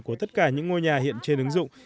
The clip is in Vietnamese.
của tất cả những ngôi nhà hiện trên ứng dụng